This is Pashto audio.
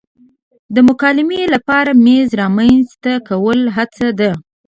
د مکالمې لپاره میز رامنځته کول هڅه ده.